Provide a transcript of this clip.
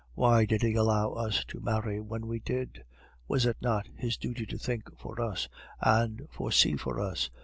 Why did he allow us to marry when we did? Was it not his duty to think for us and foresee for us?